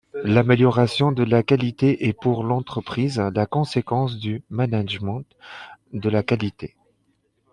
L'amélioration de la qualité est pour l'entreprise la conséquence du management de la qualité.